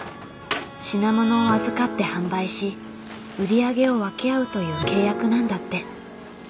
品物を預かって販売し売り上げを分け合うという契約なんだって。